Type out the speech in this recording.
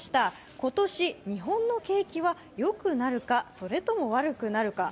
今年、日本の景気はよくなるか、それとも悪くなるか？